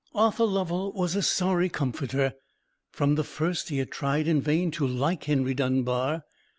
Arthur Lovell was a sorry comforter. From the first he had tried in vain to like Henry Dunbar.